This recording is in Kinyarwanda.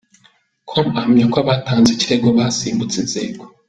com ahamya ko abatanze ikirego basimbutse inzego.